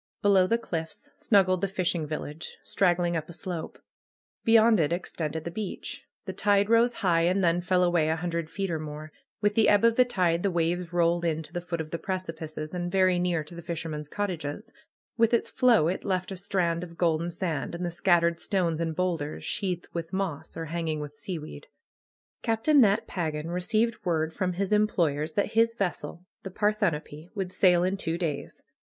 Below the cliffs snuggled the fishing village, strag gling up a slope. Beyond it extended the beach. The tide rose high and then fell away a hundred feet or more. With the ebb of the tide the waves rolled in to the foot of the precipices, and very near to the fisher men's cottages. With its flow it left a strand of golden sand, and the scattered stones and boulders sheathed with moss or hanging with seaweed. Captain Nat Pagan received word from his employ ers that his vessel, the '^Parthenope," would sail in two days.